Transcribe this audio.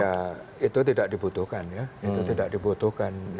ya itu tidak dibutuhkan ya itu tidak dibutuhkan